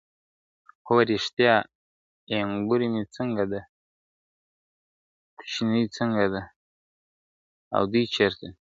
ـ هو رښتيا اينګور مې څنګه ده؟ کوچنی څنګه دی او دوی چېرته دي؟